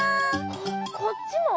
ここっちも？